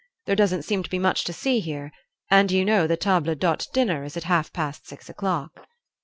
There doesn't seem to be much to see here, and you know the table d'hote dinner is at half past six o'clock."